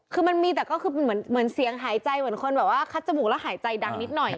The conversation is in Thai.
คือมันมีแต่ก็คือเหมือนเสียงหายใจเหมือนคนแบบว่าคัดจมูกแล้วหายใจดังนิดหน่อย